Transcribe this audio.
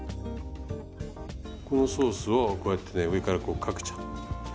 このソースをこうやってね上からこうかけちゃう。